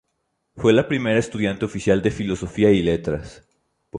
Fue la primera estudiante oficial de Filosofía y Letras.